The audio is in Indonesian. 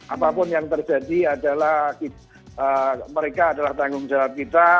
apapun yang terjadi adalah mereka adalah tanggung jawab kita